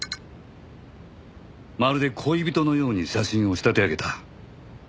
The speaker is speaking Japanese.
まるで恋人のように写真を仕立て上げた。